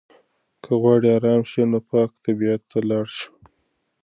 که غواړې ارام شې نو پاک طبیعت ته لاړ شه.